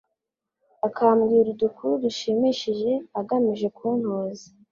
akambwira udukuru dushimishije agamije kuntoza